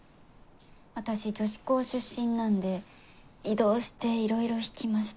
私女子校出身なんで異動していろいろ引きました。